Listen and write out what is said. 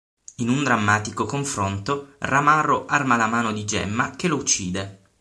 In un drammatico confronto, Ramarro arma la mano di Gemma, che lo uccide.